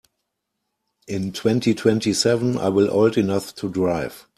In twenty-twenty-seven I will old enough to drive.